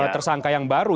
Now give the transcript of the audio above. tersangka yang baru